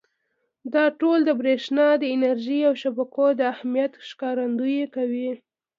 دا ټول د برېښنا د انرژۍ او شبکو د اهمیت ښکارندويي کوي.